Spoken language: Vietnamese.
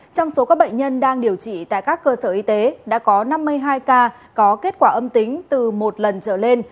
trong số các bệnh nhân đang điều trị tại các cơ sở y tế đã có năm mươi hai ca có kết quả âm tính từ một lần trở lên